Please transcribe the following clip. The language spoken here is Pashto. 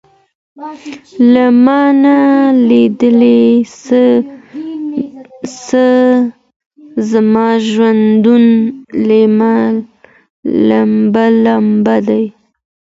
له مانه ليري سه زما ژوندون لمبه ،لمبه دی.......